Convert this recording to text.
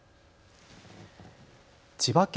千葉県